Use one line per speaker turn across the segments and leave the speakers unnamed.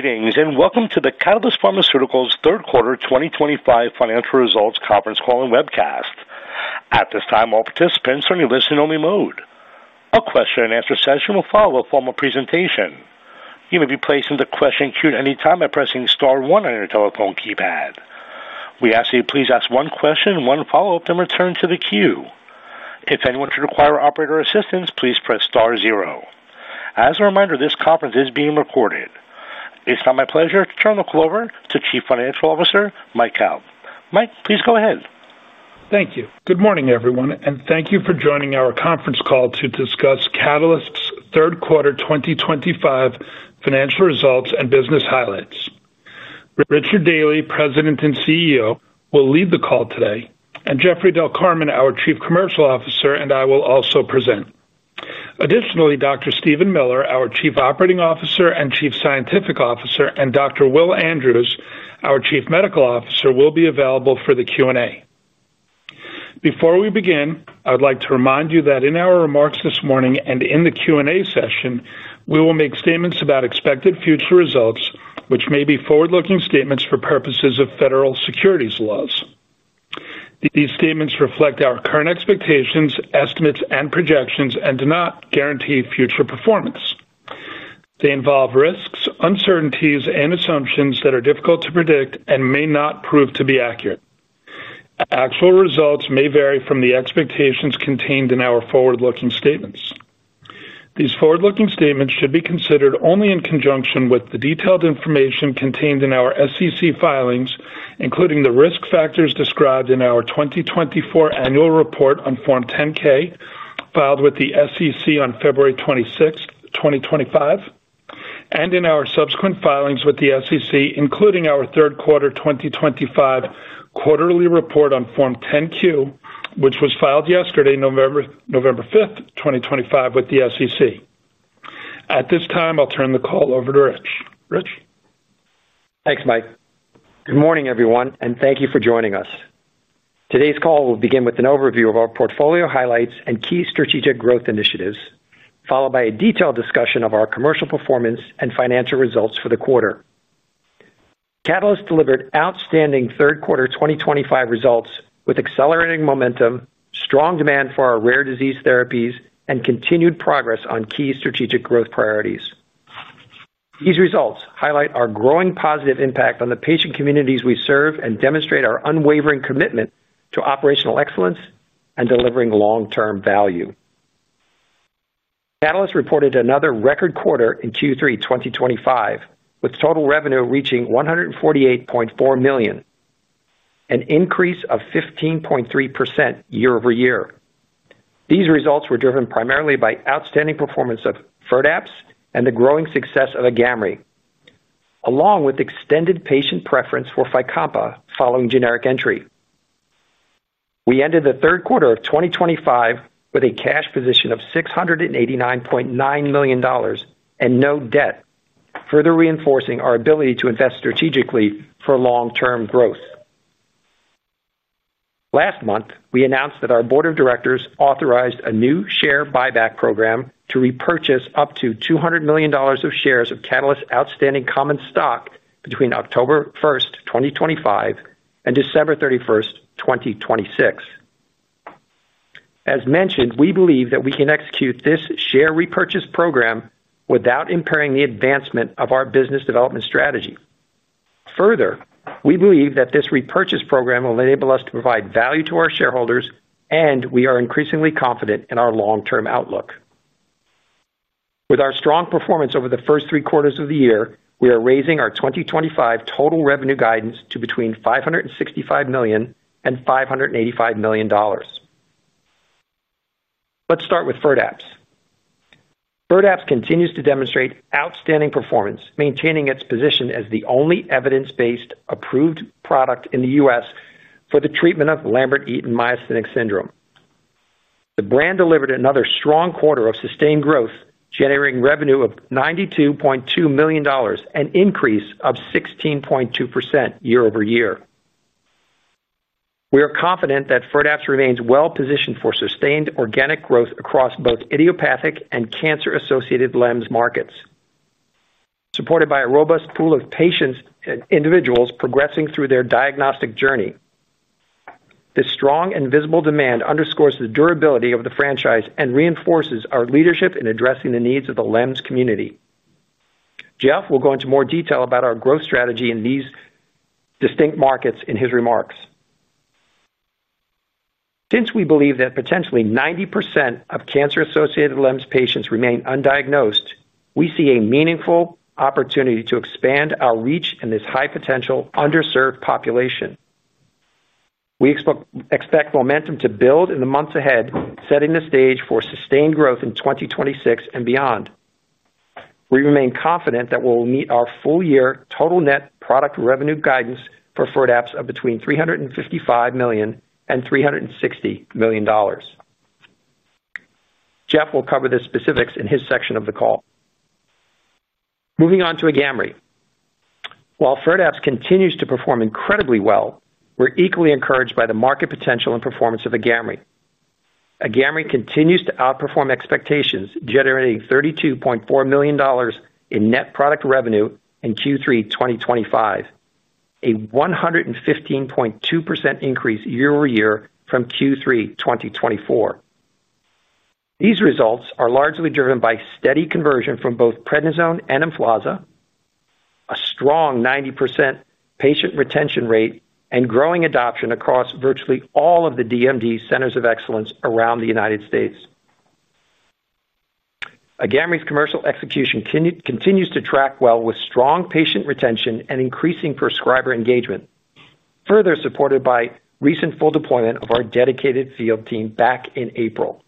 Greetings and welcome to the Catalyst Pharmaceuticals Third Quarter 2025 financial results conference call and webcast. At this time, all participants are in a listen-only mode. A question-and-answer session will follow a formal presentation. You may be placed into question queue at any time by pressing star one on your telephone keypad. We ask that you please ask one question, one follow-up, then return to the queue. If anyone should require operator assistance, please press star zero. As a reminder, this conference is being recorded. It's now my pleasure to turn the call over to Chief Financial Officer, Mike Kalb. Mike, please go ahead.
Thank you. Good morning, everyone, and thank you for joining our conference call to discuss Catalyst's third quarter 2025 financial results and business highlights. Richard Daly, President and CEO, will lead the call today, and Jeffrey Del Carmen, our Chief Commercial Officer, and I will also present. Additionally, Dr. Steven Miller, our Chief Operating Officer and Chief Scientific Officer, and Dr. Will Andrews, our Chief Medical Officer, will be available for the Q&A. Before we begin, I would like to remind you that in our remarks this morning and in the Q&A session, we will make statements about expected future results, which may be forward-looking statements for purposes of federal securities laws. These statements reflect our current expectations, estimates, and projections, and do not guarantee future performance. They involve risks, uncertainties, and assumptions that are difficult to predict and may not prove to be accurate. Actual results may vary from the expectations contained in our forward-looking statements. These forward-looking statements should be considered only in conjunction with the detailed information contained in our SEC filings, including the risk factors described in our 2024 Annual Report on Form 10-K, filed with the SEC on February 26, 2025. In our subsequent filings with the SEC, including our Third Quarter 2025 Quarterly Report on Form 10-Q, which was filed yesterday, November 5, 2025, with the SEC. At this time, I'll turn the call over to Rich. Rich?
Thanks, Mike. Good morning, everyone, and thank you for joining us. Today's call will begin with an overview of our portfolio highlights and key strategic growth initiatives, followed by a detailed discussion of our commercial performance and financial results for the quarter. Catalyst delivered outstanding third quarter 2025 results with accelerating momentum, strong demand for our rare disease therapies, and continued progress on key strategic growth priorities. These results highlight our growing positive impact on the patient communities we serve and demonstrate our unwavering commitment to operational excellence and delivering long-term value. Catalyst reported another record quarter in Q3 2025, with total revenue reaching $148.4 million, an increase of 15.3% year over year. These results were driven primarily by outstanding performance of FIRDAPSE and the growing success of AGAMREE, along with extended patient preference for FYCOMPA following generic entry. We ended the third quarter of 2025 with a cash position of $689.9 million and no debt, further reinforcing our ability to invest strategically for long-term growth. Last month, we announced that our Board of Directors authorized a new share buyback program to repurchase up to $200 million of shares of Catalyst outstanding common stock between October 1st, 2025, and December 31st, 2026. As mentioned, we believe that we can execute this share repurchase program without impairing the advancement of our business development strategy. Further, we believe that this repurchase program will enable us to provide value to our shareholders, and we are increasingly confident in our long-term outlook. With our strong performance over the first three quarters of the year, we are raising our 2025 total revenue guidance to between $565 million and $585 million. Let's start with FIRDAPSE. FIRDAPSE continues to demonstrate outstanding performance, maintaining its position as the only evidence-based approved product in the U.S. for the treatment of Lambert-Eaton Myasthenic Syndrome. The brand delivered another strong quarter of sustained growth, generating revenue of $92.2 million and an increase of 16.2% year over year. We are confident that FIRDAPSE remains well positioned for sustained organic growth across both idiopathic and cancer-associated LEMS markets, supported by a robust pool of patients and individuals progressing through their diagnostic journey. This strong and visible demand underscores the durability of the franchise and reinforces our leadership in addressing the needs of the LEMS community. Jeff will go into more detail about our growth strategy in these distinct markets in his remarks. Since we believe that potentially 90% of cancer-associated LEMS patients remain undiagnosed, we see a meaningful opportunity to expand our reach in this high-potential underserved population. We expect momentum to build in the months ahead, setting the stage for sustained growth in 2026 and beyond. We remain confident that we will meet our full-year total net product revenue guidance for FIRDAPSE of between $355 million and $360 million. Jeff will cover the specifics in his section of the call. Moving on to AGAMREE. While FIRDAPSE continues to perform incredibly well, we're equally encouraged by the market potential and performance of AGAMREE. AGAMREE continues to outperform expectations, generating $32.4 million in net product revenue in Q3 2025, a 115.2% increase year over year from Q3 2024. These results are largely driven by steady conversion from both prednisone and inflows, a strong 90% patient retention rate, and growing adoption across virtually all of the DMD centers of excellence around the United States. AGAMREE's commercial execution continues to track well with strong patient retention and increasing prescriber engagement. Further supported by recent full deployment of our dedicated field team back in April.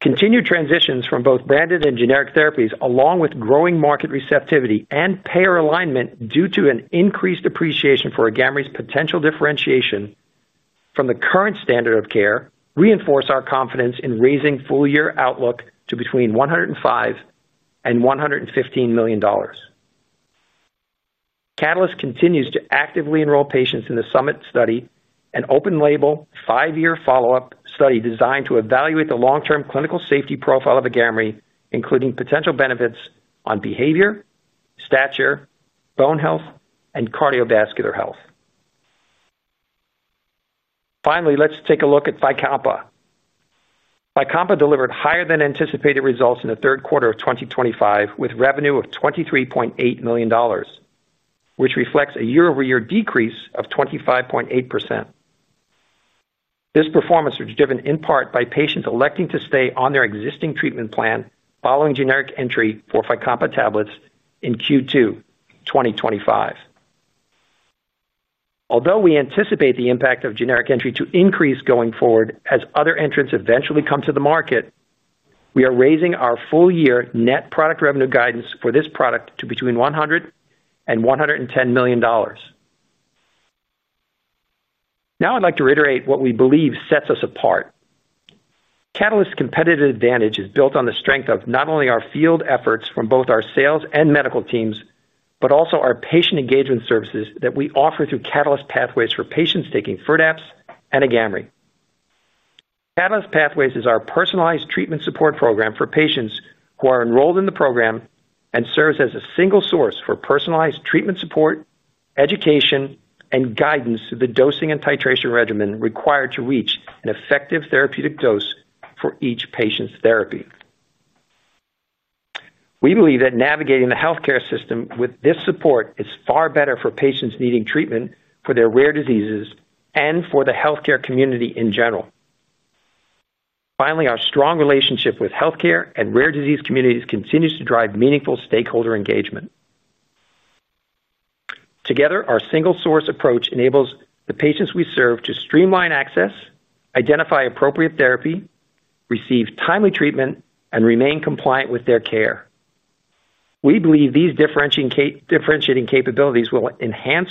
Continued transitions from both branded and generic therapies, along with growing market receptivity and payer alignment due to an increased appreciation for AGAMREE's potential differentiation from the current standard of care, reinforce our confidence in raising full-year outlook to between $105 million and $115 million. Catalyst continues to actively enroll patients in the Summit study, an open-label five-year follow-up study designed to evaluate the long-term clinical safety profile of AGAMREE, including potential benefits on behavior, stature, bone health, and cardiovascular health. Finally, let's take a look at FYCOMPA. FYCOMPA delivered higher-than-anticipated results in the third quarter of 2025 with revenue of $23.8 million, which reflects a year-over-year decrease of 25.8%. This performance was driven in part by patients electing to stay on their existing treatment plan following generic entry for FYCOMPA tablets in Q2 2025. Although we anticipate the impact of generic entry to increase going forward as other entrants eventually come to the market. We are raising our full-year net product revenue guidance for this product to between $100 million and $110 million. Now, I'd like to reiterate what we believe sets us apart. Catalyst's competitive advantage is built on the strength of not only our field efforts from both our sales and medical teams, but also our patient engagement services that we offer through Catalyst Pathways for patients taking FIRDAPSE and AGAMREE. Catalyst Pathways is our personalized treatment support program for patients who are enrolled in the program and serves as a single source for personalized treatment support, education, and guidance to the dosing and titration regimen required to reach an effective therapeutic dose for each patient's therapy. We believe that navigating the healthcare system with this support is far better for patients needing treatment for their rare diseases and for the healthcare community in general. Finally, our strong relationship with healthcare and rare disease communities continues to drive meaningful stakeholder engagement. Together, our single-source approach enables the patients we serve to streamline access, identify appropriate therapy, receive timely treatment, and remain compliant with their care. We believe these differentiating capabilities will enhance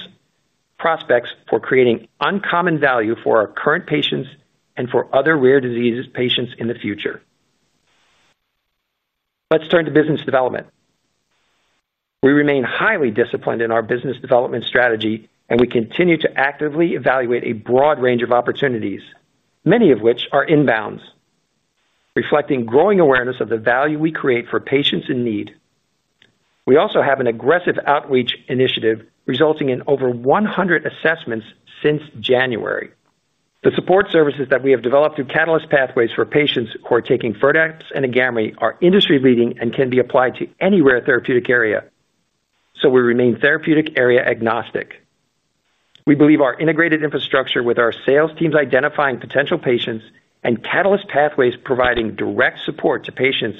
prospects for creating uncommon value for our current patients and for other rare disease patients in the future. Let's turn to business development. We remain highly disciplined in our business development strategy, and we continue to actively evaluate a broad range of opportunities, many of which are inbounds, reflecting growing awareness of the value we create for patients in need. We also have an aggressive outreach initiative resulting in over 100 assessments since January. The support services that we have developed through Catalyst Pathways for patients who are taking FIRDAPSE and AGAMREE are industry-leading and can be applied to any rare therapeutic area, so we remain therapeutic area agnostic. We believe our integrated infrastructure with our sales teams identifying potential patients and Catalyst Pathways providing direct support to patients,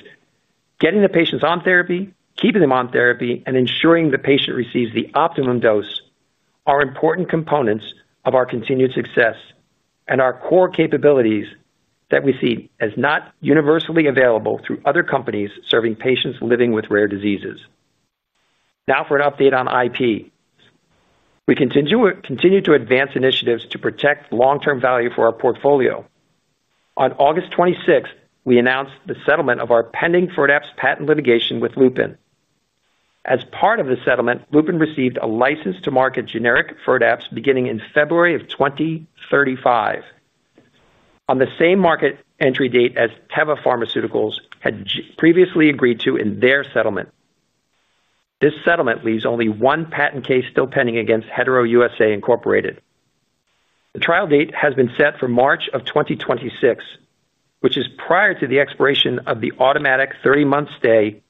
getting the patients on therapy, keeping them on therapy, and ensuring the patient receives the optimum dose are important components of our continued success and our core capabilities that we see as not universally available through other companies serving patients living with rare diseases. Now for an update on IP. We continue to advance initiatives to protect long-term value for our portfolio. On August 26th, we announced the settlement of our pending FIRDAPSE patent litigation with Lupin. As part of the settlement, Lupin received a license to market generic FIRDAPSE beginning in February of 2035. On the same market entry date as Teva Pharmaceuticals had previously agreed to in their settlement. This settlement leaves only one patent case still pending against Hetero USA Incorporated. The trial date has been set for March of 2026, which is prior to the expiration of the automatic 30-month stay.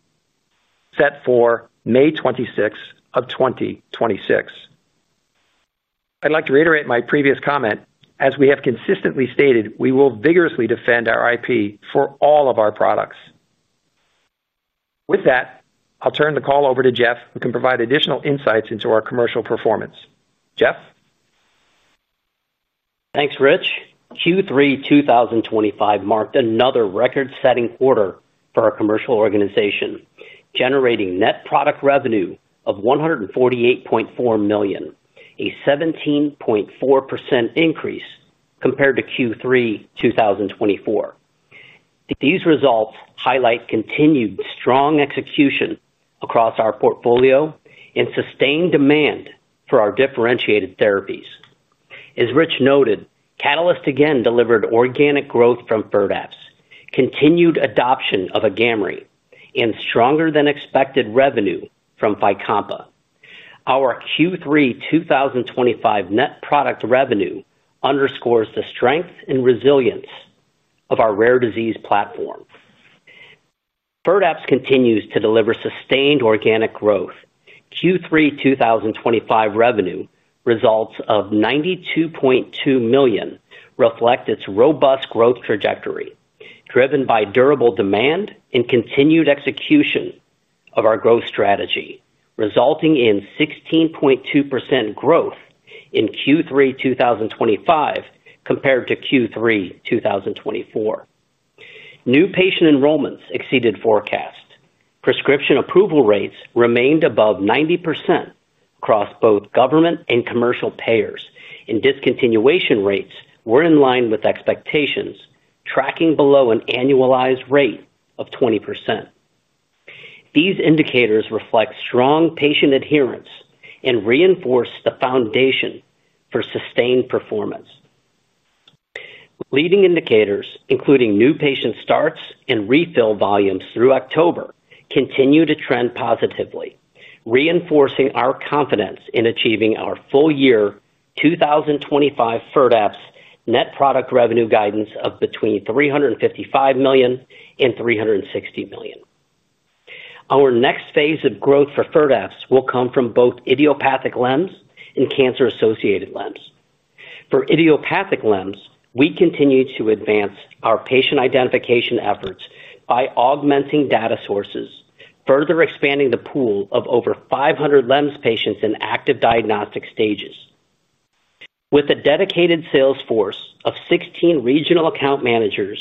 Set for May 26 of 2026. I'd like to reiterate my previous comment. As we have consistently stated, we will vigorously defend our IP for all of our products. With that, I'll turn the call over to Jeff, who can provide additional insights into our commercial performance. Jeff?
Thanks, Rich. Q3 2025 marked another record-setting quarter for our commercial organization, generating net product revenue of $148.4 million, a 17.4% increase compared to Q3 2024. These results highlight continued strong execution across our portfolio and sustained demand for our differentiated therapies. As Rich noted, Catalyst again delivered organic growth from FIRDAPSE, continued adoption of AGAMREE, and stronger-than-expected revenue fromFYCOMPA. Our Q3 2025 net product revenue underscores the strength and resilience of our rare disease platform. FIRDAPSE continues to deliver sustained organic growth. Q3 2025 revenue results of $92.2 million reflect its robust growth trajectory, driven by durable demand and continued execution of our growth strategy, resulting in 16.2% growth in Q3 2025 compared to Q3 2024. New patient enrollments exceeded forecast. Prescription approval rates remained above 90% across both government and commercial payers, and discontinuation rates were in line with expectations, tracking below an annualized rate of 20%. These indicators reflect strong patient adherence and reinforce the foundation for sustained performance. Leading indicators, including new patient starts and refill volumes through October, continue to trend positively, reinforcing our confidence in achieving our full-year 2025 FIRDAPSE net product revenue guidance of between $355 million and $360 million. Our next phase of growth for FIRDAPSE will come from both idiopathic LEMS and cancer-associated LEMS. For idiopathic LEMS, we continue to advance our patient identification efforts by augmenting data sources, further expanding the pool of over 500 LEMS patients in active diagnostic stages. With a dedicated sales force of 16 regional account managers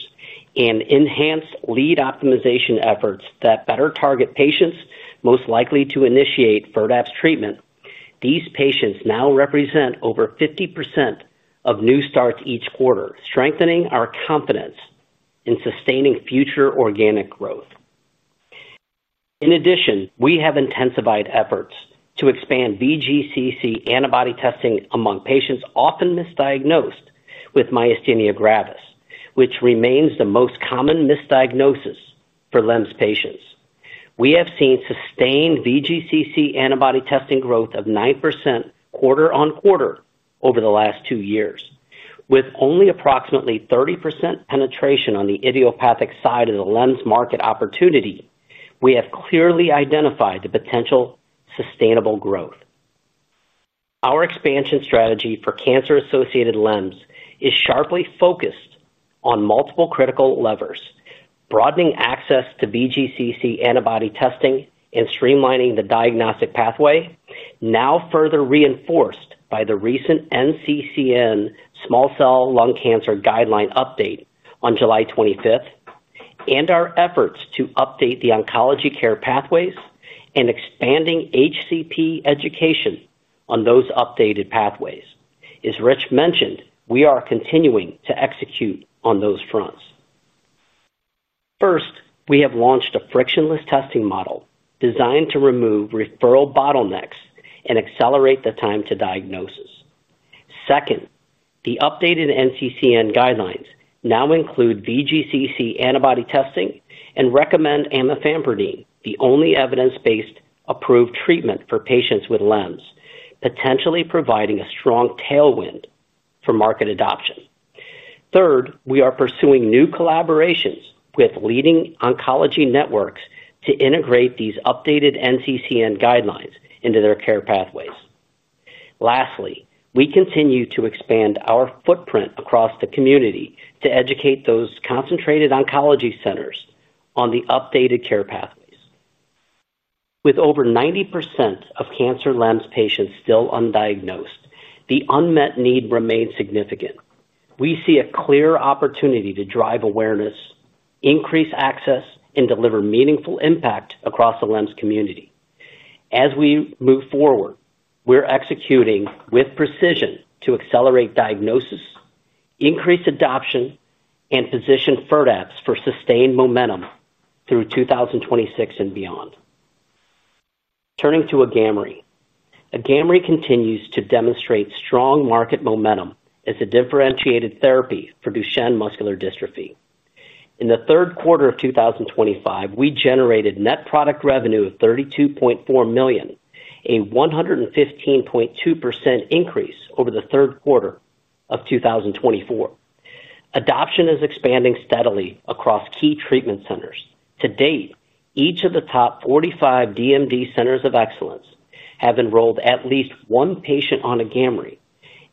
and enhanced lead optimization efforts that better target patients most likely to initiate FIRDAPSE treatment, these patients now represent over 50% of new starts each quarter, strengthening our confidence in sustaining future organic growth. In addition, we have intensified efforts to expand VGCC antibody testing among patients often misdiagnosed with Myasthenia gravis, which remains the most common misdiagnosis for LEMS patients. We have seen sustained VGCC antibody testing growth of 9% quarter on quarter over the last two years. With only approximately 30% penetration on the idiopathic side of the LEMS market opportunity, we have clearly identified the potential sustainable growth. Our expansion strategy for cancer-associated LEMS is sharply focused on multiple critical levers, broadening access to VGCC antibody testing and streamlining the diagnostic pathway, now further reinforced by the recent NCCN small cell lung cancer guideline update on July 25, and our efforts to update the oncology care pathways and expanding HCP education on those updated pathways. As Rich mentioned, we are continuing to execute on those fronts. First, we have launched a frictionless testing model designed to remove referral bottlenecks and accelerate the time to diagnosis. Second, the updated NCCN guidelines now include VGCC antibody testing and recommend amifampridine, the only evidence-based approved treatment for patients with LEMS, potentially providing a strong tailwind for market adoption. Third, we are pursuing new collaborations with leading oncology networks to integrate these updated NCCN guidelines into their care pathways. Lastly, we continue to expand our footprint across the community to educate those concentrated oncology centers on the updated care pathways. With over 90% of cancer LEMS patients still undiagnosed, the unmet need remains significant. We see a clear opportunity to drive awareness, increase access, and deliver meaningful impact across the LEMS community. As we move forward, we're executing with precision to accelerate diagnosis, increase adoption, and position FIRDAPSE for sustained momentum through 2026 and beyond. Turning to AGAMREE, AGAMREE continues to demonstrate strong market momentum as a differentiated therapy for Duchenne Muscular Dystrophy. In the third quarter of 2025, we generated net product revenue of $32.4 million, a 115.2% increase over the third quarter of 2024. Adoption is expanding steadily across key treatment centers. To date, each of the top 45 DMD centers of excellence have enrolled at least one patient on AGAMREE,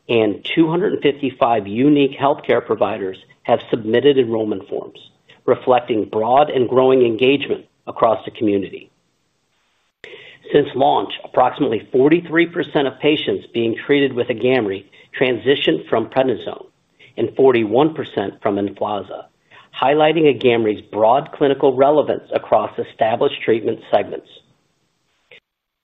and 255 unique healthcare providers have submitted enrollment forms, reflecting broad and growing engagement across the community. Since launch, approximately 43% of patients being treated with AGAMREE transitioned from prednisone and 41% from Emflaza, highlighting AGAMREE's broad clinical relevance across established treatment segments.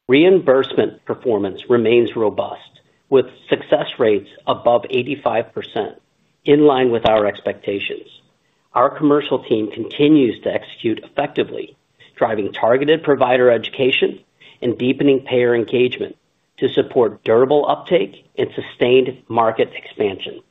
Reimbursement performance remains robust, with success rates above 85%, in line with our expectations. Our commercial team continues to execute effectively, driving targeted provider education and deepening payer engagement to support durable uptake and sustained market expansion.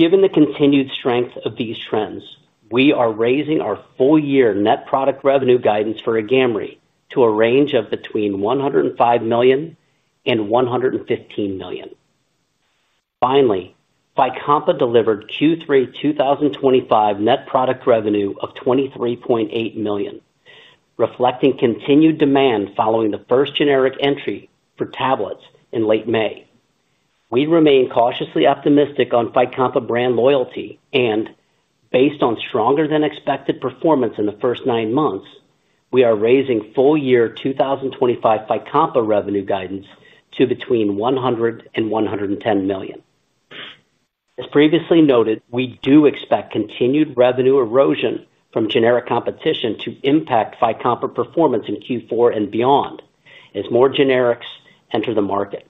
Given the continued strength of these trends, we are raising our full-year net product revenue guidance for AGAMREE to a range of between $105 million and $115 million. Finally, FYCOMPA delivered Q3 2025 net product revenue of $23.8 million, reflecting continued demand following the first generic entry for tablets in late May. We remain cautiously optimistic on FYCOMPA brand loyalty and, based on stronger-than-expected performance in the first nine months, we are raising full-year 2025 FYCOMPA revenue guidance to between $100 million and $110 million. As previously noted, we do expect continued revenue erosion from generic competition to impact FYCOMPA performance in Q4 and beyond as more generics enter the market.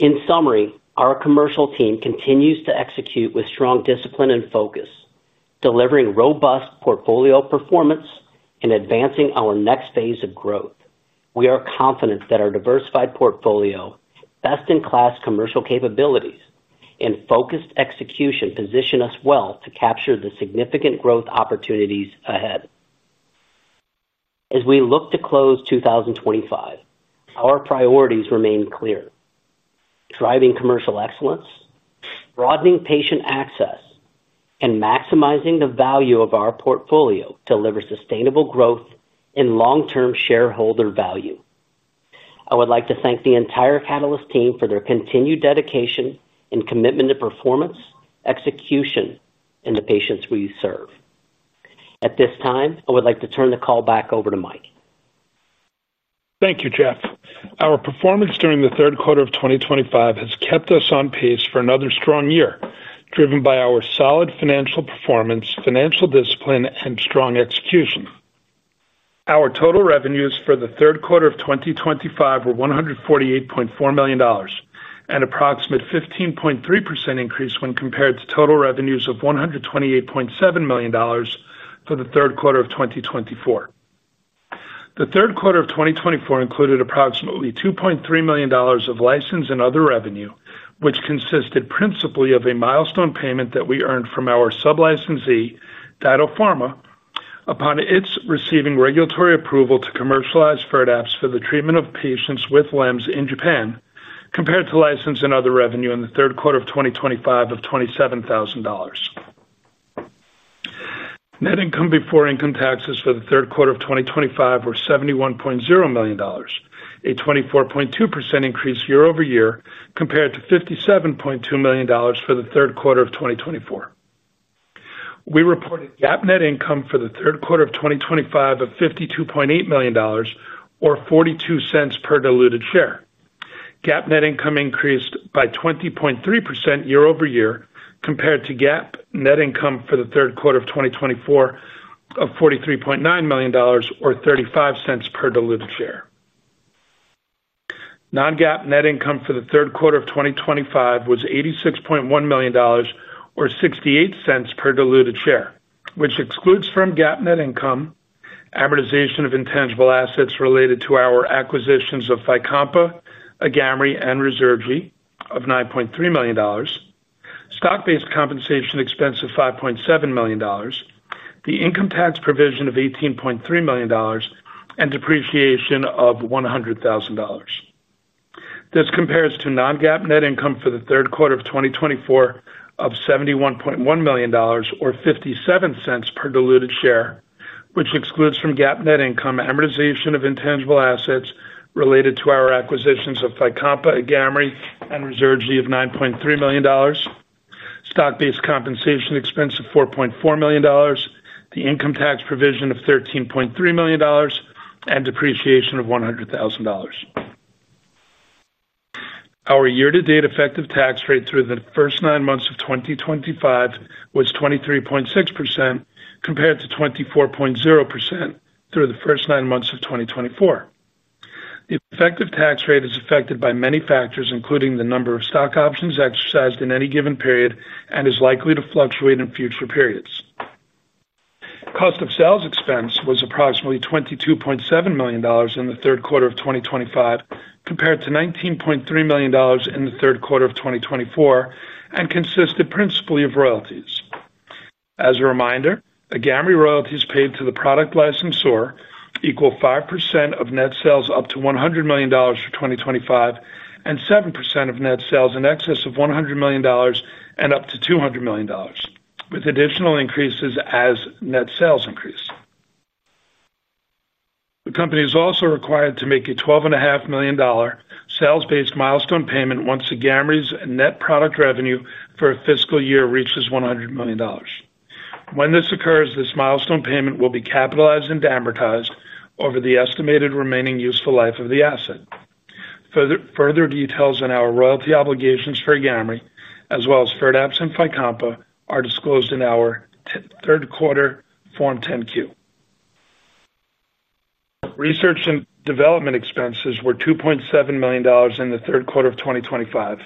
In summary, our commercial team continues to execute with strong discipline and focus, delivering robust portfolio performance and advancing our next phase of growth. We are confident that our diversified portfolio, best-in-class commercial capabilities, and focused execution position us well to capture the significant growth opportunities ahead. As we look to close 2025, our priorities remain clear. Driving commercial excellence, broadening patient access, and maximizing the value of our portfolio to deliver sustainable growth and long-term shareholder value. I would like to thank the entire Catalyst team for their continued dedication and commitment to performance, execution, and the patients we serve. At this time, I would like to turn the call back over to Mike.
Thank you, Jeff. Our performance during the third quarter of 2025 has kept us on pace for another strong year, driven by our solid financial performance, financial discipline, and strong execution. Our total revenues for the third quarter of 2025 were $148.4 million, an approximate 15.3% increase when compared to total revenues of $128.7 million for the third quarter of 2024. The third quarter of 2024 included approximately $2.3 million of license and other revenue, which consisted principally of a milestone payment that we earned from our sub-licensee, DyDo Pharma, upon its receiving regulatory approval to commercialize FIRDAPSE for the treatment of patients with LEMS in Japan, compared to license and other revenue in the third quarter of 2025 of $27,000. Net income before income taxes for the third quarter of 2025 were $71.0 million, a 24.2% increase year over year compared to $57.2 million for the third quarter of 2024. We reported GAAP net income for the third quarter of 2025 of $52.8 million, or $0.42 per diluted share. GAAP net income increased by 20.3% year over year compared to GAAP net income for the third quarter of 2024 of $43.9 million, or $0.35 per diluted share. Non-GAAP net income for the third quarter of 2025 was $86.1 million, or $0.68 per diluted share, which excludes from GAAP net income amortization of intangible assets related to our acquisitions of FYCOMPA, AGAMREE, and [Resergy] of $9.3 million, stock-based compensation expense of $5.7 million, the income tax provision of $18.3 million, and depreciation of $100,000. This compares to non-GAAP net income for the third quarter of 2024 of $71.1 million, or $0.57 per diluted share, which excludes from GAAP net income amortization of intangible assets related to our acquisitions of FYCOMPA, AGAMREE, and Resergy of $9.3 million, stock-based compensation expense of $4.4 million, the income tax provision of $13.3 million, and depreciation of $100,000. Our year-to-date effective tax rate through the first nine months of 2025 was 23.6% compared to 24.0% through the first nine months of 2024. The effective tax rate is affected by many factors, including the number of stock options exercised in any given period and is likely to fluctuate in future periods. Cost of sales expense was approximately $22.7 million in the third quarter of 2025 compared to $19.3 million in the third quarter of 2024 and consisted principally of royalties. As a reminder, AGAMREE royalties paid to the product licensor equal 5% of net sales up to $100 million for 2025 and 7% of net sales in excess of $100 million and up to $200 million, with additional increases as net sales increase. The company is also required to make a $12.5 million sales-based milestone payment once AGAMREE's net product revenue for a fiscal year reaches $100 million. When this occurs, this milestone payment will be capitalized and amortized over the estimated remaining useful life of the asset. Further details on our royalty obligations for AGAMREE, as well as FIRDAPSE and FYCOMPA, are disclosed in our third quarter Form 10-Q. Research and development expenses were $2.7 million in the third quarter of 2025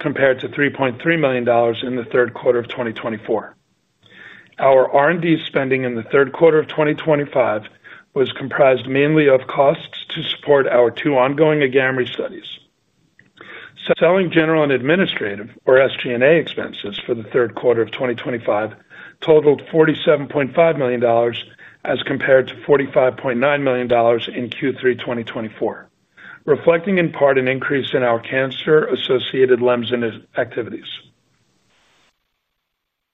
compared to $3.3 million in the third quarter of 2024. Our R&D spending in the third quarter of 2025 was comprised mainly of costs to support our two ongoing AGAMREE studies. Selling, general and administrative, or SG&A, expenses for the third quarter of 2025 totaled $47.5 million as compared to $45.9 million in Q3 2024, reflecting in part an increase in our cancer-associated LEMS activities.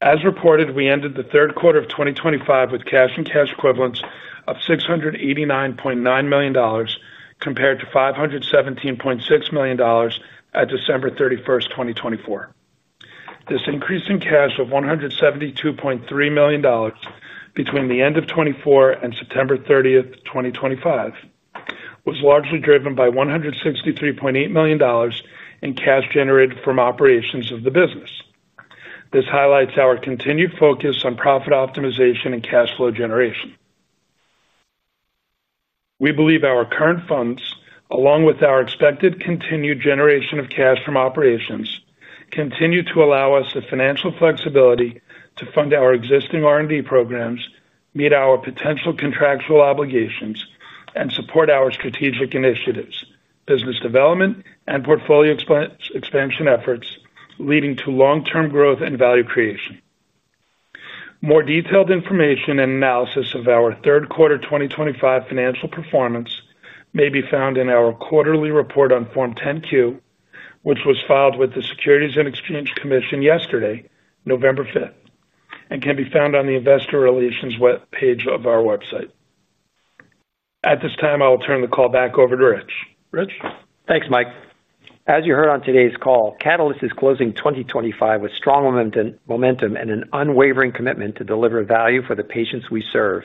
As reported, we ended the third quarter of 2025 with cash and cash equivalents of $689.9 million compared to $517.6 million at December 31st, 2024. This increase in cash of $172.3 million between the end of 2024 and September 30th, 2025 was largely driven by $163.8 million in cash generated from operations of the business. This highlights our continued focus on profit optimization and cash flow generation. We believe our current funds, along with our expected continued generation of cash from operations, continue to allow us the financial flexibility to fund our existing R&D programs, meet our potential contractual obligations, and support our strategic initiatives, business development, and portfolio expansion efforts leading to long-term growth and value creation. More detailed information and analysis of our third quarter 2025 financial performance may be found in our quarterly report on Form 10-Q, which was filed with the U.S. Securities and Exchange Commission yesterday, November 5th, and can be found on the investor relations web page of our website. At this time, I'll turn the call back over to Rich. Rich?
Thanks, Mike. As you heard on today's call, Catalyst is closing 2025 with strong momentum and an unwavering commitment to deliver value for the patients we serve.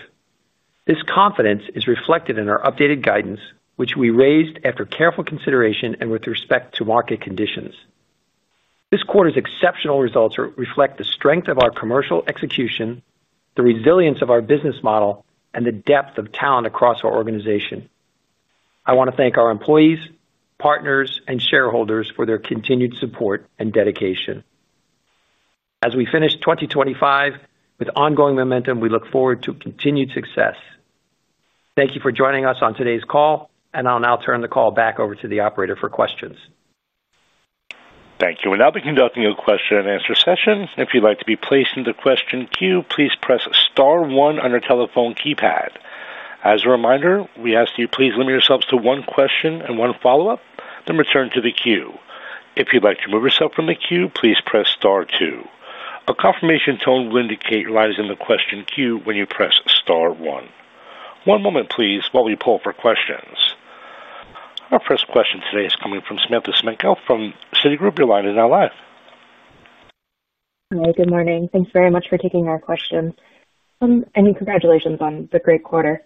This confidence is reflected in our updated guidance, which we raised after careful consideration and with respect to market conditions. This quarter's exceptional results reflect the strength of our commercial execution, the resilience of our business model, and the depth of talent across our organization. I want to thank our employees, partners, and shareholders for their continued support and dedication. As we finish 2025 with ongoing momentum, we look forward to continued success. Thank you for joining us on today's call, and I'll now turn the call back over to the operator for questions.
Thank you. We'll now be conducting a question-and-answer session. If you'd like to be placed in the question queue, please press star one on your telephone keypad. As a reminder, we ask that you please limit yourselves to one question and one follow-up, then return to the queue. If you'd like to move yourself from the queue, please press star two. A confirmation tone will indicate you're always in the question queue when you press star one. One moment, please, while we pull up our questions. Our first question today is coming from Samantha Smith from Citigroup, your line in our live.
Hi. Good morning. Thanks very much for taking our questions. Congratulations on the great quarter.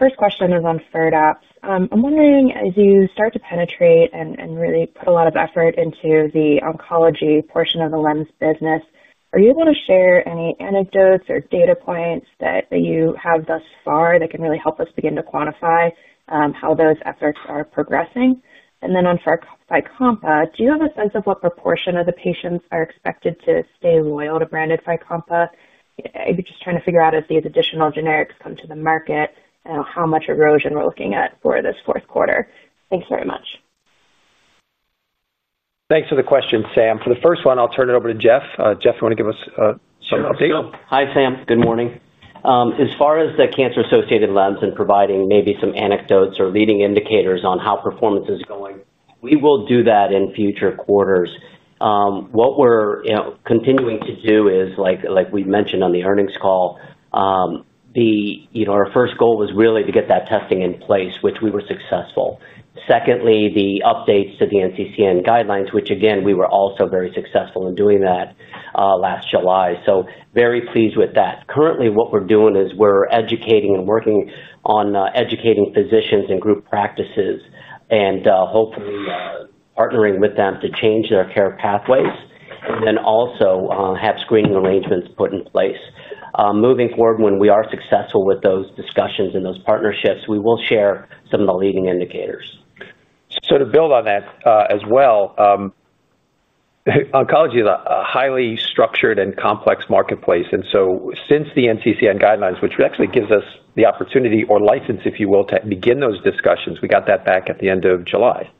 First question is on FIRDAPSE. I'm wondering, as you start to penetrate and really put a lot of effort into the oncology portion of the LEMS business, are you able to share any anecdotes or data points that you have thus far that can really help us begin to quantify how those efforts are progressing? On FYCOMPA, do you have a sense of what proportion of the patients are expected to stay loyal to branded FYCOMPA? I'm just trying to figure out, as these additional generics come to the market, how much erosion we're looking at for this fourth quarter. Thanks very much.
Thanks for the question, Sam. For the first one, I'll turn it over to Jeff. Jeff, you want to give us some update?
Hi, Sam. Good morning. As far as the cancer-associated LEMS and providing maybe some anecdotes or leading indicators on how performance is going, we will do that in future quarters. What we're continuing to do is, like we mentioned on the earnings call, our first goal was really to get that testing in place, which we were successful. Secondly, the updates to the NCCN guidelines, which, again, we were also very successful in doing that last July. Very pleased with that. Currently, what we're doing is we're educating and working on educating physicians and group practices and hopefully partnering with them to change their care pathways and then also have screening arrangements put in place. Moving forward, when we are successful with those discussions and those partnerships, we will share some of the leading indicators.
To build on that as well, oncology is a highly structured and complex marketplace. Since the NCCN guidelines, which actually gives us the opportunity or license, if you will, to begin those discussions, we got that back at the end of July.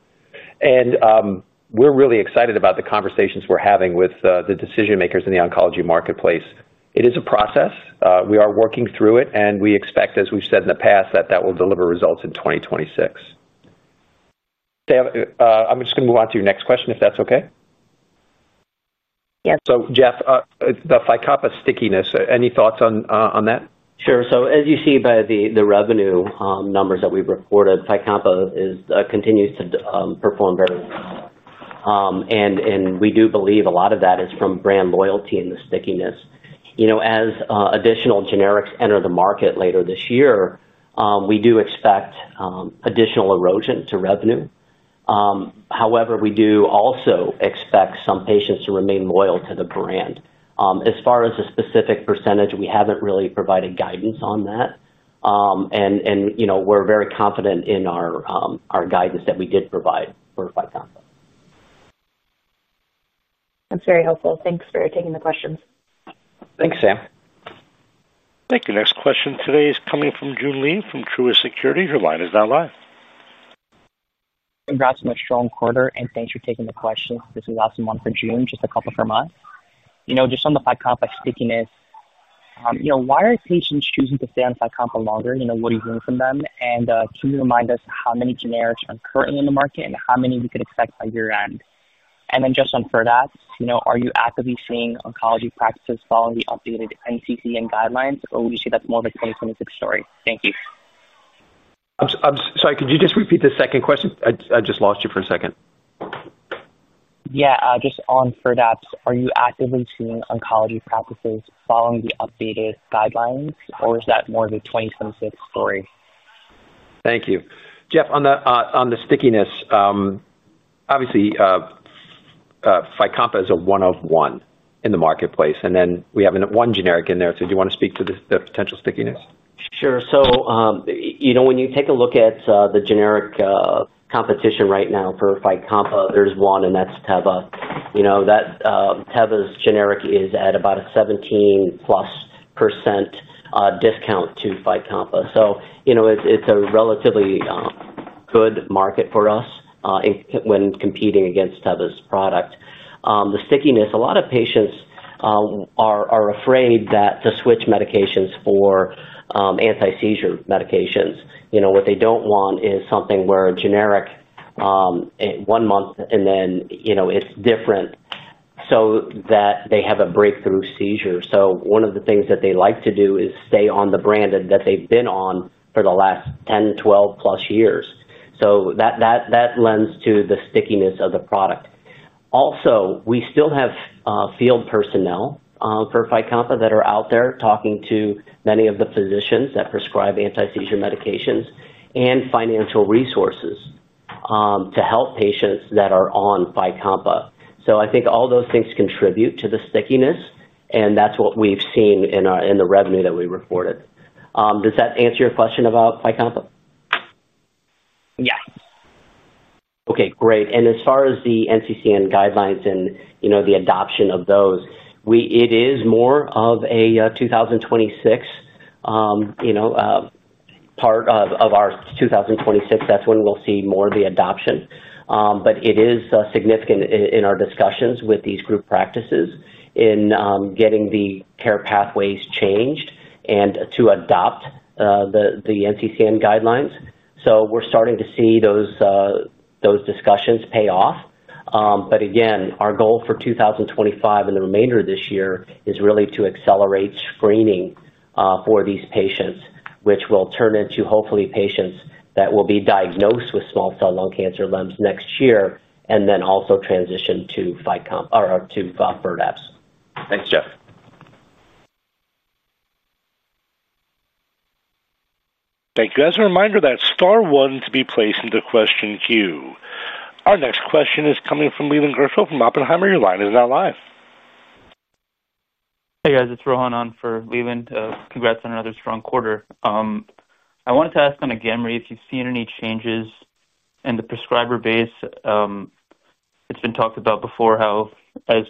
We are really excited about the conversations we are having with the decision-makers in the oncology marketplace. It is a process. We are working through it, and we expect, as we have said in the past, that that will deliver results in 2026. I am just going to move on to your next question, if that is okay.
Yes.
Jeff, the FYCOMPA stickiness, any thoughts on that?
Sure. As you see by the revenue numbers that we've reported, FYCOMPA continues to perform very well. We do believe a lot of that is from brand loyalty and the stickiness. As additional generics enter the market later this year, we do expect additional erosion to revenue. However, we do also expect some patients to remain loyal to the brand. As far as a specific percentage, we haven't really provided guidance on that. We're very confident in our guidance that we did provide for FYCOMPA.
That's very helpful. Thanks for taking the questions.
Thanks, Sam.
Thank you. Next question today is coming from Joon Lee from Truist Securities. Her line is now live.
Congrats on a strong quarter, and thanks for taking the questions. This is also one for Joon. Just a couple from us. Just on the FYCOMPA stickiness. Why are patients choosing to stay on FYCOMPA longer? What are you hearing from them? And can you remind us how many generics are currently in the market and how many we could expect by year-end? Then just on FIRDAPSE, are you actively seeing oncology practices following the updated NCCN guidelines, or would you say that's more of a 2026 story? Thank you.
I'm sorry. Could you just repeat the second question? I just lost you for a second.
Yeah. Just on FIRDAPSE, are you actively seeing oncology practices following the updated guidelines, or is that more of a 2026 story?
Thank you. Jeff, on the stickiness. Obviously, FYCOMPA is a one-of-one in the marketplace, and then we have one generic in there. Do you want to speak to the potential stickiness?
Sure. When you take a look at the generic competition right now for FYCOMPA, there's one, and that's Teva. Teva's generic is at about a 17%+ discount to FYCOMPA. It's a relatively good market for us when competing against Teva's product. The stickiness, a lot of patients are afraid to switch medications for anti-seizure medications. What they don't want is something where a generic one month, and then it's different, so that they have a breakthrough seizure. One of the things that they like to do is stay on the brand that they've been on for the last 10+, 12+ years. That lends to the stickiness of the product. Also, we still have field personnel for FYCOMPA that are out there talking to many of the physicians that prescribe anti-seizure medications and financial resources to help patients that are on FYCOMPA. I think all those things contribute to the stickiness, and that's what we've seen in the revenue that we reported. Does that answer your question about FYCOMPA?
Yes.
Okay. Great. As far as the NCCN guidelines and the adoption of those, it is more of a 2026, part of our 2026, that is when we will see more of the adoption. It is significant in our discussions with these group practices in getting the care pathways changed and to adopt the NCCN guidelines. We are starting to see those discussions pay off. Again, our goal for 2025 and the remainder of this year is really to accelerate screening for these patients, which will turn into hopefully patients that will be diagnosed with small cell lung cancer LEMS next year and then also transition to FIRDAPSE.
Thanks, Jeff.
Thank you. As a reminder, that is star one to be placed into the question queue. Our next question is coming from Leland Gershell from Oppenheimer. Your line is now live.
Hey, guys. It's Rohan on for Leland. Congrats on another strong quarter. I wanted to ask on AGAMREE, if you've seen any changes in the prescriber base. It's been talked about before how as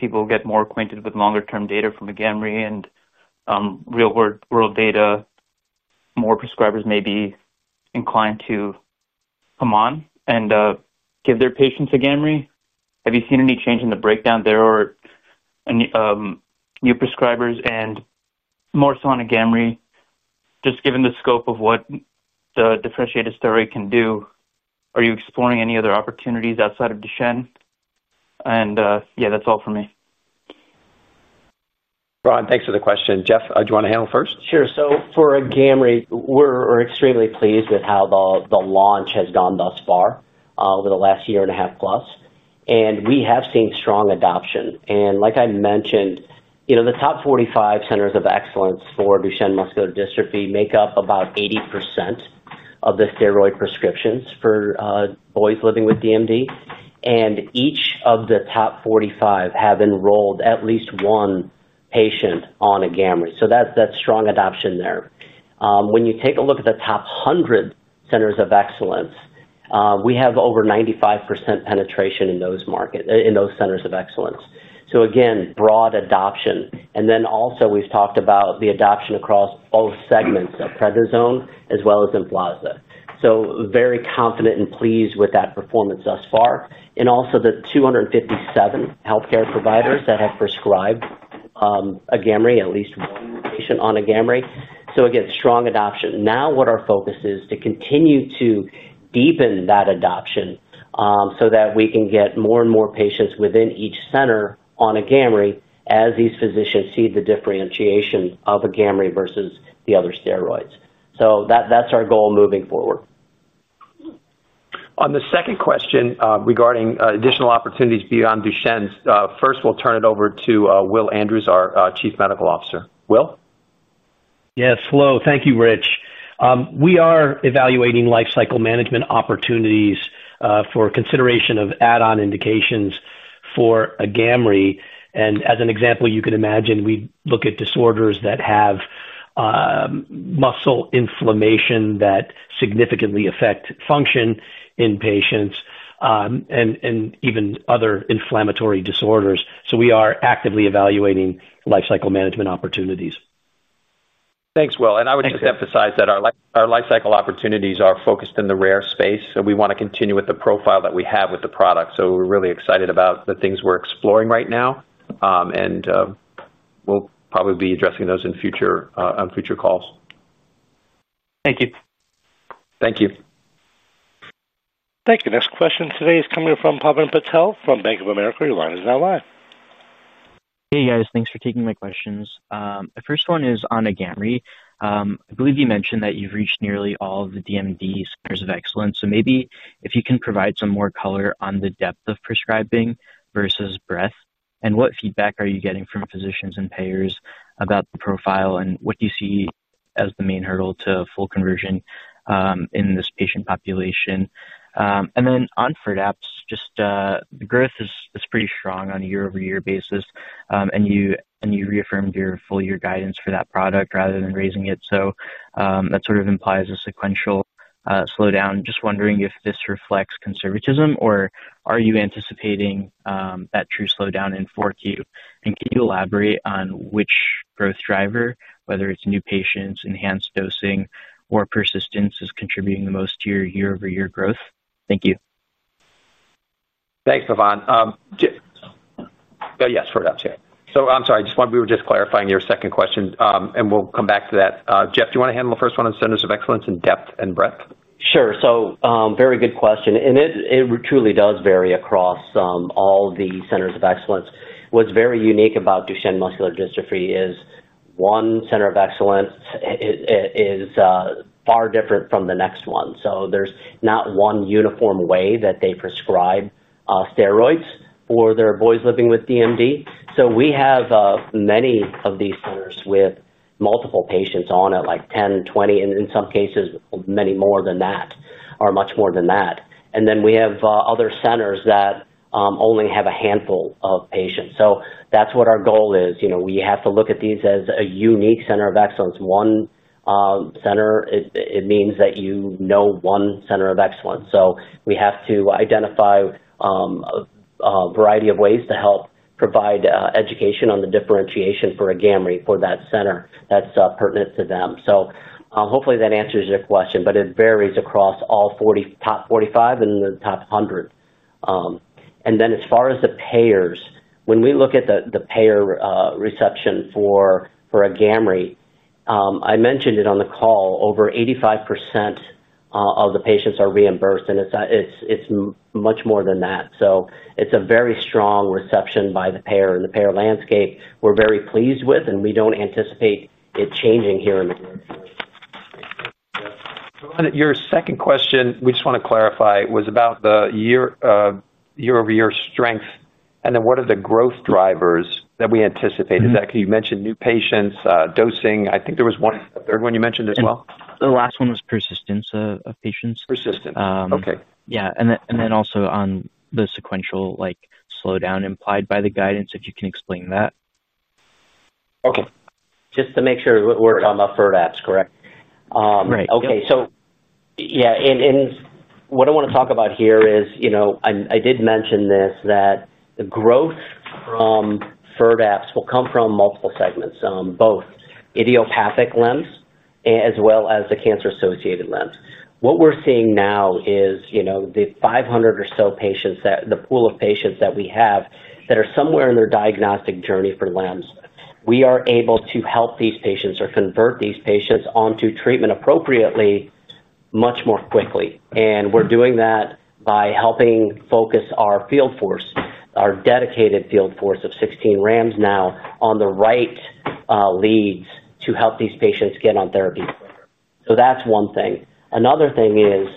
people get more acquainted with longer-term data from AGAMREE and real-world data, more prescribers may be inclined to come on and give their patients AGAMREE. Have you seen any change in the breakdown there or new prescribers? More so on AGAMREE, just given the scope of what the differentiated story can do, are you exploring any other opportunities outside of Duchenne? Yeah, that's all for me.
Rohan, thanks for the question. Jeff, do you want to handle first?
Sure. For AGAMREE, we're extremely pleased with how the launch has gone thus far over the last year and a half plus. We have seen strong adoption. Like I mentioned, the top 45 Centers of Excellence for Duchenne Muscular Dystrophy make up about 80% of the steroid prescriptions for boys living with DMD. Each of the top 45 have enrolled at least one patient on AGAMREE. That is strong adoption there. When you take a look at the top 100 Centers of Excellence, we have over 95% penetration in those Centers of Excellence. Again, broad adoption. We have also talked about the adoption across both segments of prednisone as well as Emflaza. Very confident and pleased with that performance thus far. Also, the 257 healthcare providers that have prescribed AGAMREE, at least one patient on AGAMREE. Again, strong adoption. Now, what our focus is to continue to deepen that adoption so that we can get more and more patients within each center on AGAMREE as these physicians see the differentiation of AGAMREE versus the other steroids. That is our goal moving forward.
On the second question regarding additional opportunities beyond Duchenne, first, we'll turn it over to Will Andrews, our Chief Medical Officer. Will?
Yes. Hello. Thank you, Rich. We are evaluating lifecycle management opportunities for consideration of add-on indications for AGAMREE. As an example, you can imagine we look at disorders that have muscle inflammation that significantly affect function in patients, and even other inflammatory disorders. We are actively evaluating lifecycle management opportunities.
Thanks, Will. I would just emphasize that our lifecycle opportunities are focused in the rare space. We want to continue with the profile that we have with the product. We're really excited about the things we're exploring right now. We'll probably be addressing those on future calls.
Thank you.
Thank you.
Thank you. Next question today is coming from Pavan Patel from Bank of America. Your line is now live.
Hey, guys. Thanks for taking my questions. The first one is on AGAMREE. I believe you mentioned that you've reached nearly all of the DMD centers of excellence. Maybe if you can provide some more color on the depth of prescribing versus breadth. What feedback are you getting from physicians and payers about the profile? What do you see as the main hurdle to full conversion in this patient population? Then on FIRDAPSE, the growth is pretty strong on a year-over-year basis. You reaffirmed your full-year guidance for that product rather than raising it. That sort of implies a sequential slowdown. Just wondering if this reflects conservatism, or are you anticipating that true slowdown in fourth quarter? Can you elaborate on which growth driver, whether it's new patients, enhanced dosing, or persistence, is contributing the most to your year-over-year growth? Thank you.
Thanks, Rohan. Jeff. Oh, yes, FIRDAPSE, yeah. I'm sorry. We were just clarifying your second question, and we'll come back to that. Jeff, do you want to handle the first one on centers of excellence in depth and breadth?
Sure. Very good question. It truly does vary across all the centers of excellence. What's very unique about Duchenne Muscular Dystrophy is one center of excellence is far different from the next one. There's not one uniform way that they prescribe steroids for their boys living with DMD. We have many of these centers with multiple patients on it, like 10, 20, and in some cases, much more than that. We have other centers that only have a handful of patients. That's what our goal is. We have to look at these as a unique center of excellence. One center, it means that you know one center of excellence. We have to identify a variety of ways to help provide education on the differentiation for AGAMREE for that center that's pertinent to them. Hopefully that answers your question, but it varies across all top 45 and the top 100. As far as the payers, when we look at the payer reception for AGAMREE, I mentioned it on the call, over 85% of the patients are reimbursed, and it's much more than that. It's a very strong reception by the payer and the payer landscape. We're very pleased with it, and we don't anticipate it changing here in the next year.
Your second question, we just want to clarify, was about the year-over-year strength, and then what are the growth drivers that we anticipate? You mentioned new patients, dosing. I think there was one third one you mentioned as well.
The last one was persistence of patients.
Persistence. Okay.
Yeah. Also, on the sequential slowdown implied by the guidance, if you can explain that.
Okay.
Just to make sure we're talking about FIRDAPSE, correct?
Right.
Okay. Yeah. What I want to talk about here is, I did mention this, that the growth from FIRDAPSE will come from multiple segments, both idiopathic LEMS as well as the cancer-associated LEMS. What we're seeing now is, the 500 or so patients, the pool of patients that we have that are somewhere in their diagnostic journey for LEMS, we are able to help these patients or convert these patients onto treatment appropriately much more quickly. We're doing that by helping focus our field force, our dedicated field force of 16 RAMs now, on the right leads to help these patients get on therapy quicker. That's one thing. Another thing is,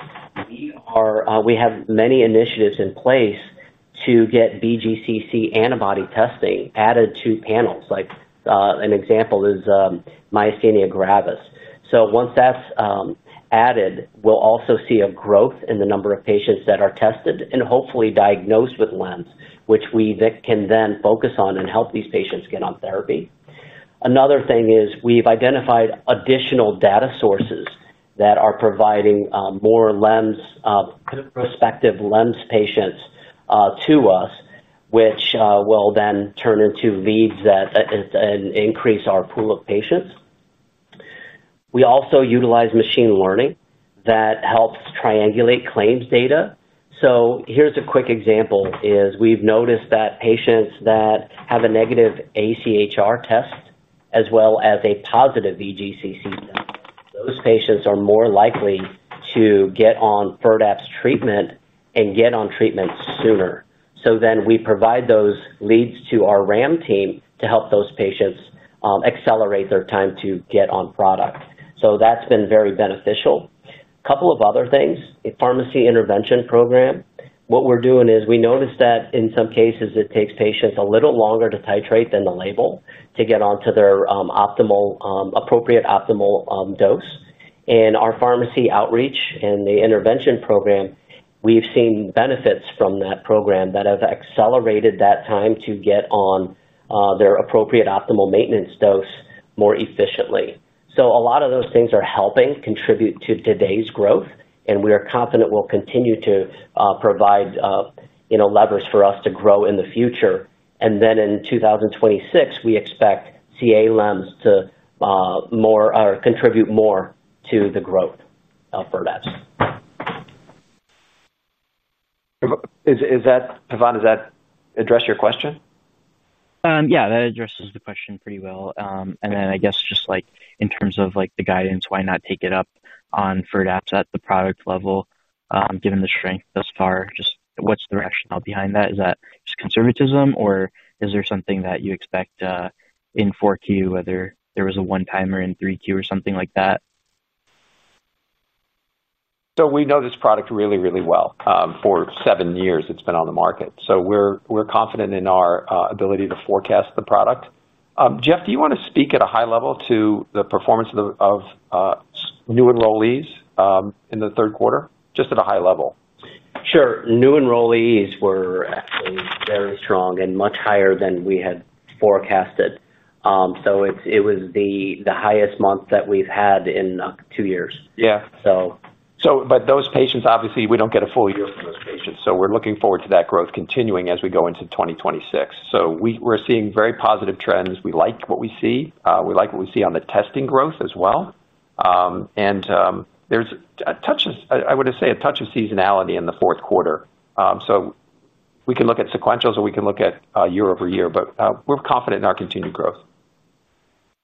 we have many initiatives in place to get VGCC antibody testing added to panels. An example is Myasthenia gravis. Once that's added, we'll also see a growth in the number of patients that are tested and hopefully diagnosed with LEMS, which we can then focus on and help these patients get on therapy. Another thing is we've identified additional data sources that are providing more prospective LEMS patients to us, which will then turn into leads that increase our pool of patients. We also utilize machine learning that helps triangulate claims data. Here's a quick example: we've noticed that patients that have a negative AChR test as well as a positive VGCC test, those patients are more likely to get on FIRDAPSE treatment and get on treatment sooner. We provide those leads to our RAM team to help those patients accelerate their time to get on product. That's been very beneficial. A couple of other things. Pharmacy intervention program. What we're doing is we noticed that in some cases, it takes patients a little longer to titrate than the label to get onto their appropriate optimal dose. Our pharmacy outreach and the intervention program, we've seen benefits from that program that have accelerated that time to get on their appropriate optimal maintenance dose more efficiently. A lot of those things are helping contribute to today's growth, and we are confident we'll continue to provide levers for us to grow in the future. In 2026, we expect LEMS to contribute more to the growth of FIRDAPSE.
Pavan, does that address your question?
Yeah. That addresses the question pretty well. And then I guess just in terms of the guidance, why not take it up on FIRDAPSE at the product level, given the strength thus far? Just what's the rationale behind that? Is that just conservatism, or is there something that you expect. In fourth year, whether there was a one-timer in three-year or something like that?
We know this product really, really well. For seven years, it's been on the market. We're confident in our ability to forecast the product. Jeff, do you want to speak at a high level to the performance of new enrollees in the third quarter, just at a high level?
Sure. New enrollees were actually very strong and much higher than we had forecasted. It was the highest month that we've had in two years.
Yeah. But those patients, obviously, we do not get a full year from those patients. We are looking forward to that growth continuing as we go into 2026. We are seeing very positive trends. We like what we see. We like what we see on the testing growth as well. I want to say a touch of seasonality in the fourth quarter. We can look at sequentials, or we can look at year-over-year, but we are confident in our continued growth.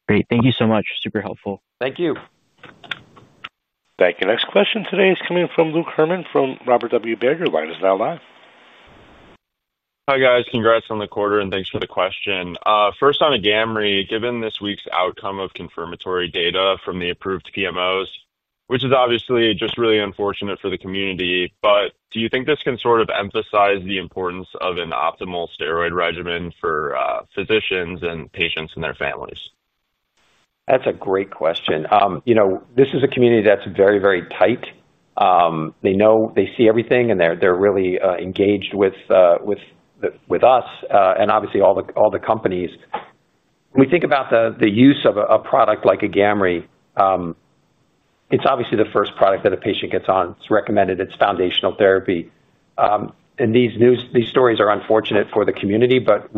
Great. Thank you so much. Super helpful.
Thank you.
Thank you. Next question today is coming from Luke Herrmann from Robert W. Baird. Your line is now live.
Hi, guys. Congrats on the quarter, and thanks for the question. First, on AGAMREE, given this week's outcome of confirmatory data from the approved PMOs, which is obviously just really unfortunate for the community, but do you think this can sort of emphasize the importance of an optimal steroid regimen for physicians and patients and their families?
That's a great question. This is a community that's very, very tight. They see everything, and they're really engaged with us, and obviously all the companies. When we think about the use of a product like AGAMREE, it's obviously the first product that a patient gets on. It's recommended. It's foundational therapy. These stories are unfortunate for the community, but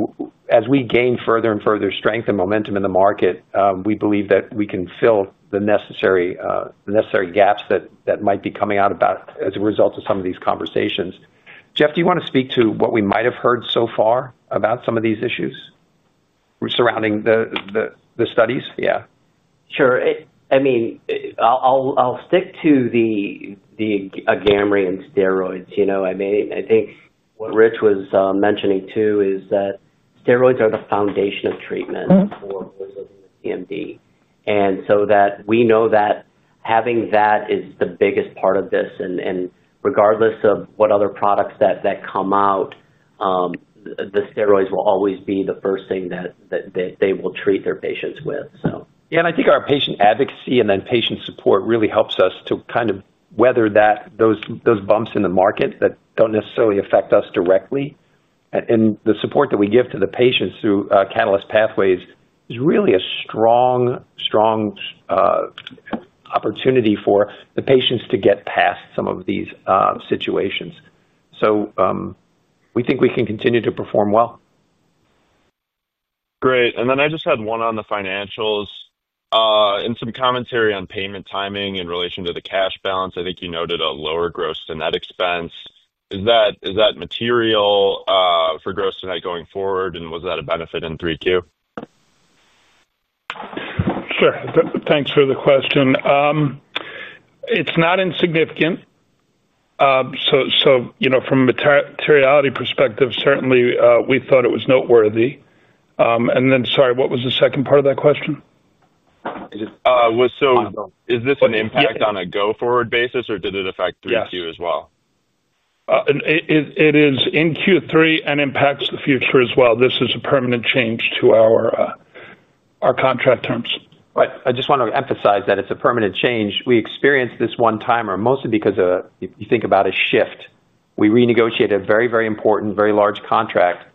as we gain further and further strength and momentum in the market, we believe that we can fill the necessary gaps that might be coming out as a result of some of these conversations. Jeff, do you want to speak to what we might have heard so far about some of these issues surrounding the studies? Yeah.
Sure. I mean, I'll stick to the AGAMREE and steroids. I mean, I think what Rich was mentioning too is that steroids are the foundation of treatment for boys living with DMD. We know that having that is the biggest part of this. Regardless of what other products that come out, the steroids will always be the first thing that they will treat their patients with.
Yeah. I think our patient advocacy and then patient support really helps us to kind of weather those bumps in the market that do not necessarily affect us directly. The support that we give to the patients through Catalyst Pathways is really a strong opportunity for the patients to get past some of these situations. We think we can continue to perform well.
Great. I just had one on the financials. Some commentary on payment timing in relation to the cash balance. I think you noted a lower gross than net expense. Is that material for gross than net going forward? Was that a benefit in 3Q?
Sure. Thanks for the question. It's not insignificant. From a materiality perspective, certainly we thought it was noteworthy. Sorry, what was the second part of that question?
Is this an impact on a go-forward basis, or did it affect 3Q as well?
It is in Q3 and impacts the future as well. This is a permanent change to our contract terms.
Right. I just want to emphasize that it's a permanent change. We experienced this one-timer mostly because if you think about a shift, we renegotiated a very, very important, very large contract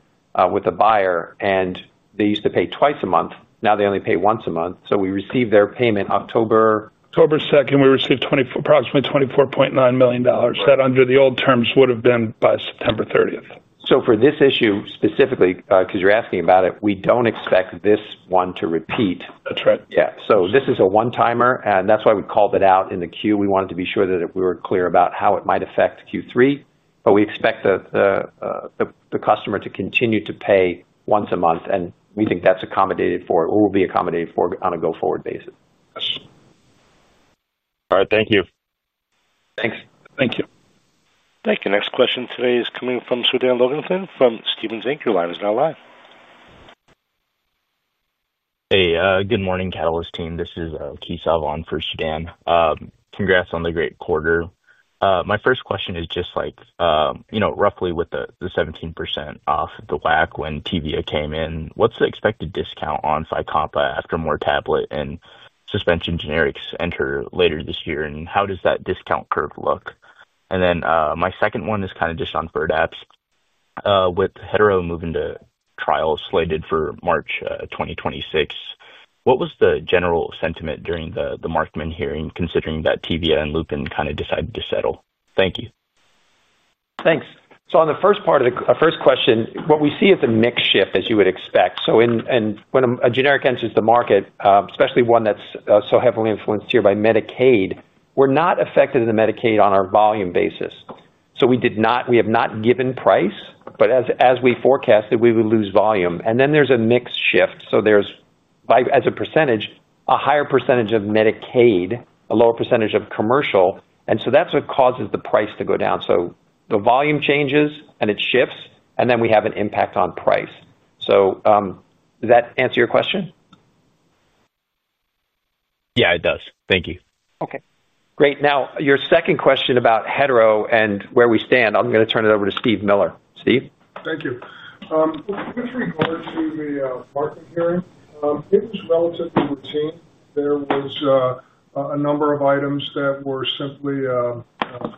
with a buyer, and they used to pay twice a month. Now they only pay once a month. So we received their payment October.
October 2nd, we received approximately $24.9 million. That under the old terms would have been by September 30th.
For this issue specifically, because you're asking about it, we don't expect this one to repeat.
That's right.
Yeah. So this is a one-timer, and that's why we called it out in the Q. We wanted to be sure that we were clear about how it might affect Q3, but we expect the customer to continue to pay once a month, and we think that's accommodated for or will be accommodated for on a go-forward basis.
All right. Thank you.
Thanks.
Thank you.
Thank you. Next question today is coming from Sudan Loganathan from Stephens, Inc. Your line is now live. Hey, good morning, Catalyst team. This is [Keith Salvan] for Sudan. Congrats on the great quarter. My first question is just. Roughly with the 17% off the WAC when Teva came in, what's the expected discount on FYCOMPA after more tablet and suspension generics enter later this year? How does that discount curve look? My second one is kind of just on FIRDAPSE. With Hetero moving to trial slated for March 2026, what was the general sentiment during the Markman hearing, considering that Teva and Lupin kind of decided to settle? Thank you.
Thanks. On the first part of the first question, what we see is a mixed shift, as you would expect. When a generic enters the market, especially one that's so heavily influenced here by Medicaid, we're not affected in the Medicaid on our volume basis. We have not given price, but as we forecasted, we would lose volume. Then there's a mixed shift. As a percentage, a higher percentage of Medicaid, a lower percentage of commercial, and that's what causes the price to go down. The volume changes and it shifts, and then we have an impact on price. Does that answer your question? Yeah, it does. Thank you. Okay. Great. Now, your second question about Hetero and where we stand, I'm going to turn it over to Steve Miller. Steve?
Thank you. With regard to the Markman hearing, it was relatively routine. There was a number of items that were simply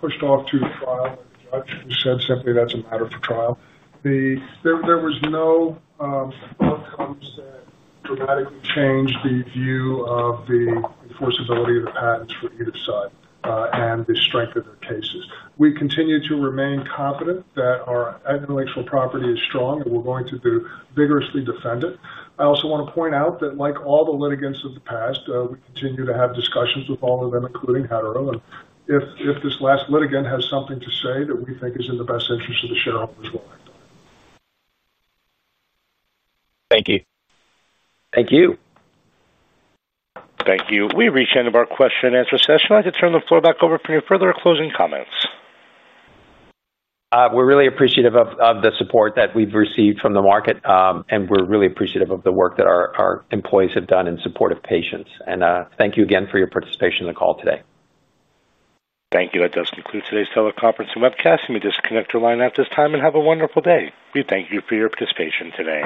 pushed off to trial, and the judge said simply, "That's a matter for trial." There was no outcomes that dramatically changed the view of the enforceability of the patents for either side and the strength of their cases. We continue to remain confident that our intellectual property is strong, and we're going to vigorously defend it. I also want to point out that, like all the litigants of the past, we continue to have discussions with all of them, including Hetero and. If this last litigant has something to say that we think is in the best interest of the shareholders' will. Thank you.
Thank you.
Thank you. We reached the end of our question-and-answer session. I'd like to turn the floor back over for any further closing comments.
We're really appreciative of the support that we've received from the market, and we're really appreciative of the work that our employees have done in support of patients. Thank you again for your participation in the call today.
Thank you. That does conclude today's teleconference and webcast. You may disconnect your line at this time and have a wonderful day. We thank you for your participation today.